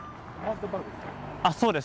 あっそうです。